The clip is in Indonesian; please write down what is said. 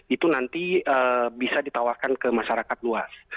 itu nanti bisa ditawarkan ke masyarakat luas